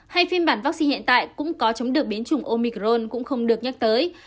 hay phiên bản vaccine hiện tại cũng có chống được biến chủng omicron cũng không được nhắc tới